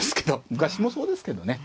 昔もそうですけどね。